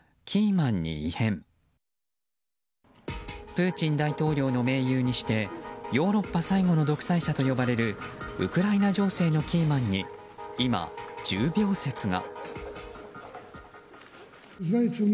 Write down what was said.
プーチン大統領の盟友にしてヨーロッパ最後の独裁者と呼ばれるウクライナ情勢のキーマンに今、重病説が。